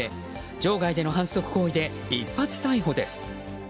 場外での反則行為で一発逮捕です。